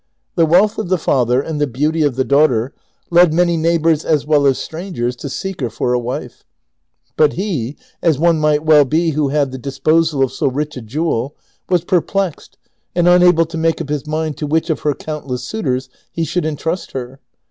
The wealth of the father and the beauty of the daugliter led many neiglibors as well as strangers to seek her for a wife ; but he, as one might well be who had tlie disposal of so rich a jewel, was perplexed and unable to make up his mind to which of her countless suitors he should intrust her.